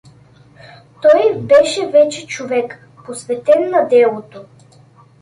Той беше вече човек, посветен на делото.